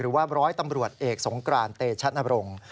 หรือว่าร้อยตำรวจเอกสงกรานเตชะนบรงค์